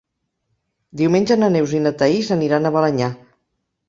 Diumenge na Neus i na Thaís aniran a Balenyà.